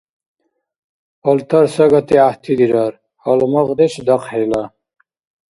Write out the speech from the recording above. Палтар сагати гӀяхӀти дирар, гьалмагъдеш - дахъхӀила.